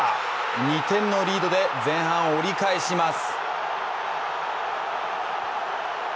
２点のリードで前半を折り返します。